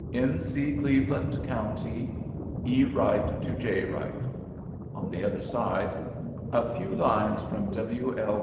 "N. C. Cleveland County. E. Wright to J. Wright." On the other side, "A few lines from W. L.